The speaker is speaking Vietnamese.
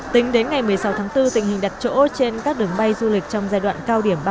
tính đến ngày một mươi sáu tháng bốn tình hình đặt chỗ trên các đường bay du lịch trong giai đoạn cao điểm ba mươi